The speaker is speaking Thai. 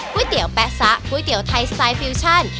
เตี๋ยวแป๊ซะก๋วยเตี๋ยวไทยสไตล์ฟิวชั่น